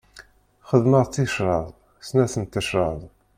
Xedmeɣ-d ticraḍ, snat n tecraḍ.